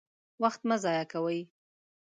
وخت مه ضايع کوئ!